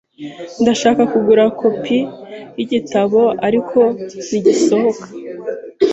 Ndashaka kugura kopi yigitabo, ariko ntigisohoka.